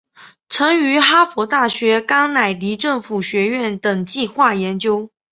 曾于哈佛大学甘乃迪政府学院等计画研究。